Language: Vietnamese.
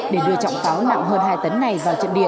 để đưa trọng pháo nặng hơn hai tấn này vào trận địa